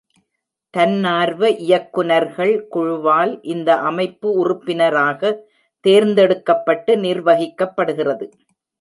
தன்னார்வ இயக்குநர்கள் குழுவால் இந்த அமைப்பு உறுப்பினராக தேர்ந்தெடுக்கப்பட்டு நிர்வகிக்கப்படுகிறது.